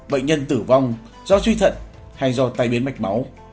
bệnh nhân tử vong do truy thận hay do tay biến mạch máu